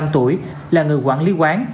năm mươi năm tuổi là người quản lý quán